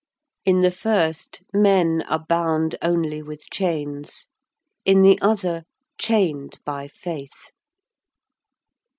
In the first, men are bound only with chains; in the other, chained by faith.